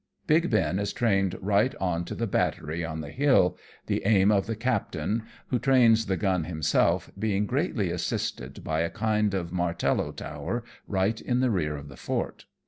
Big Ben is trained right on to the battery on the hiU, the aim of the captain, who trains the gun him self, being greatly assisted by a kind of martello tower right in the rear of the fort.